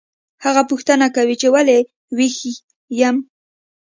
هغه پوښتنه کوي چې ولې ویښ یم